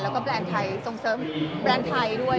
แล้วก็แบรนด์ไทยส่งเสริมแบรนด์ไทยด้วย